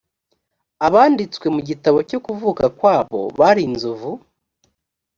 abanditswe mu gitabo cyo kuvuka kwabo bari inzovu